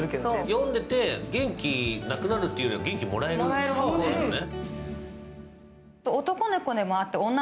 読んでて、元気なくなるというより、元気もらえるんだね。